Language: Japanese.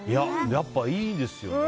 やっぱり、いいですよね